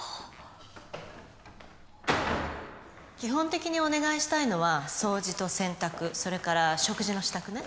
基本的にお願いしたいのは掃除と洗濯それから食事の支度ね。